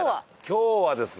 今日はですね